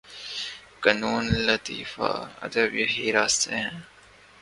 فنون لطیفہ، ادب یہی راستے ہیں۔